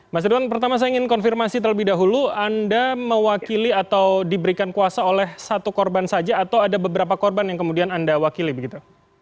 mas ridwan pertama saya ingin konfirmasi terlebih dahulu anda mewakili atau diberikan kuasa oleh satu korban saja atau ada beberapa korban yang kemudian anda wakili begitu